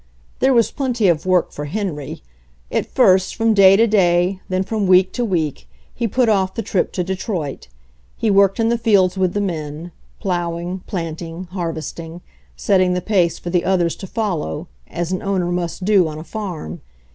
There was plenty of work for Henry. At first from day to day, then from week to week, he put off the trip to Detroit. He worked in the fields with the men, plowing, planting, harvest ing, setting the pace for the others to follow, as an owner must do on a farm.